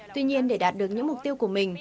tuy nhiên để đạt được những mục tiêu của mình